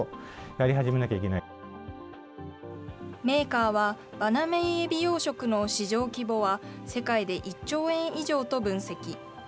メーカーは、バナメイエビ養殖の市場規模は世界で１兆円以上と分析。